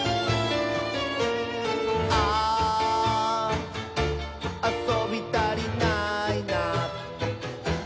「あーあそびたりないな」